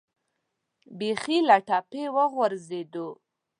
بیخي له ټپې وغورځېد.